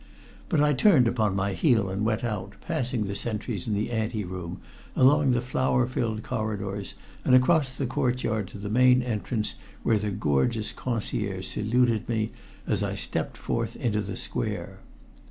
But I turned upon my heel and went out, passing the sentries in the ante room, along the flower filled corridors and across the courtyard to the main entrance where the gorgeous concierge saluted me as I stepped forth into the square.